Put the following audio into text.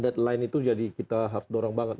deadline itu jadi kita harus dorong banget